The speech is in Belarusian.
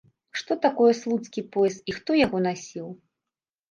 Што такое слуцкі пояс і хто яго насіў?